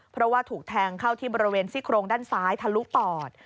เพราะว่าถูกแทงเข้าที่บริเวณซี่โครงด้านซ้ายทะลุปอด